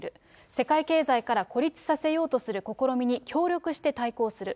世界経済から孤立させようとする試みに協力して対抗する。